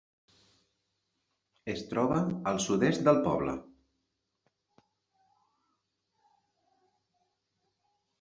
Es troba al sud-est del poble.